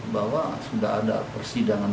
bahwa sudah ada persidangan